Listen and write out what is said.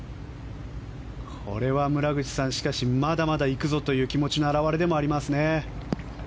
これは村口さん、しかしまだまだ行くぞという気持ちの表れでもありますね。